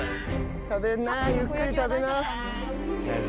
食べなゆっくり食べな。